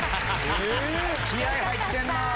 気合入ってんなぁ。